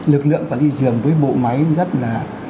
lực lượng quản lý trường với bộ máy rất là